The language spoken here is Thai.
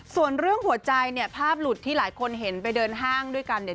ส่วนเรื่องหัวใจเนี่ยภาพหลุดที่หลายคนเห็นไปเดินห้างด้วยกันเนี่ย